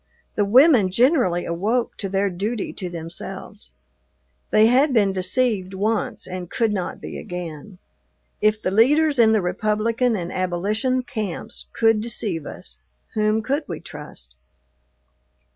The women generally awoke to their duty to themselves. They had been deceived once and could not be again. If the leaders in the Republican and abolition camps could deceive us, whom could we trust?